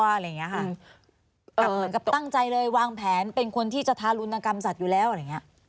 อะไรอย่างเงี้ยค่ะเหมือนกับตั้งใจเลยวางแผนเป็นคนที่จะทารุณกรรมสัตว์อยู่แล้วอะไรอย่างเงี้ย